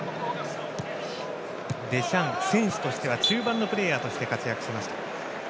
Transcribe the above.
デシャン選手としては中盤の選手として活躍しました。